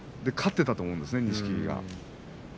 勝っていたと思うんですね、錦木が。